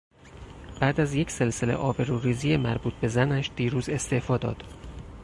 بعد از یک سلسله آبروریزی مربوط به زنش دیروز استعفا داد.